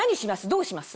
どうします？